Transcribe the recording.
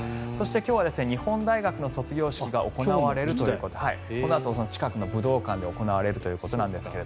そして今日は日本大学の卒業式が行われるということでこのあと近くの武道館で行われるということです。